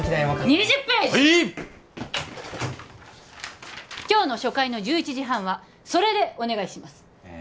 はい今日の初回の１１時半はそれでお願いします